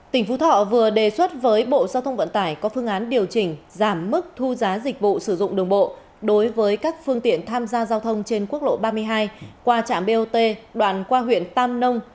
tỉnh phú thọ vừa đề xuất với bộ giao thông vận tải có phương án điều chỉnh giảm mức thu giá dịch vụ sử dụng đường bộ đối với các phương tiện tham gia giao thông trên quốc lộ ba mươi hai qua trạm bot đoạn qua huyện tam nông